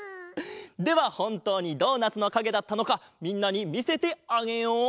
ではほんとうにドーナツのかげだったのかみんなにみせてあげよう。